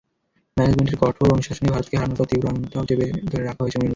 ম্যানেজমেন্টের কঠোর অনুশাসনে ভারতকে হারানোর তীব্র আনন্দটাও চেপে রাখতে হয়েছে মনের মধ্যে।